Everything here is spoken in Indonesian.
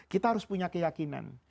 kita harus punya keyakinan